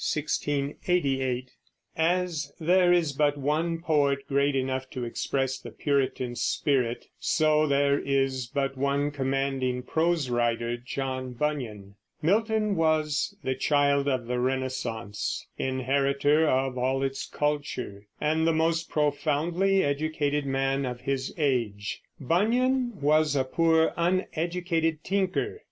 III. PROSE WRITERS OF THE PURITAN PERIOD JOHN BUNYAN (1628 1688) As there is but one poet great enough to express the Puritan spirit, so there is but one commanding prose writer, John Bunyan. Milton was the child of the Renaissance, inheritor of all its culture, and the most profoundly educated man of his age. Bunyan was a poor, uneducated tinker.